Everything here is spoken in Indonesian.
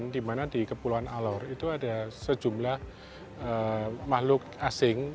dimana di kepulauan alor itu ada sejumlah makhluk asing